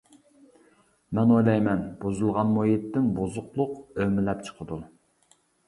مەن ئويلايمەن: بۇزۇلغان مۇھىتتىن بۇزۇقلۇق ئۆمىلەپ چىقىدۇ.